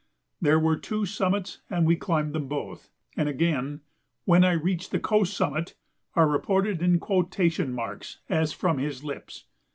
"There were two summits and we climbed them both"; and again, "When I reached the coast summit" are reported in quotation marks as from his lips.